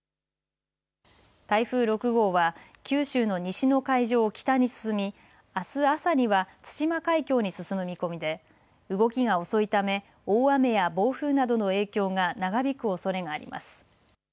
台風６号は九州の西の海上を北に進み、あす朝には対馬海峡に進む見込みで動きが遅いため大雨や暴風などの影響が長引くおそれがあります。